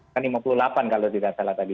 kan lima puluh delapan kalau tidak salah tadi